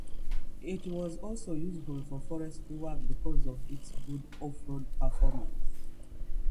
It was also useful for forestry work because of its good off-road performance.